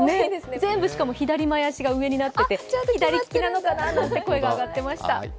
全部左前足が前に出ていて左利きなのかななんて声が上がってました。